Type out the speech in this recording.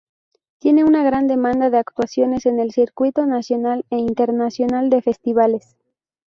Tiene una gran demanda de actuaciones en el circuito nacional e internacional de festivales.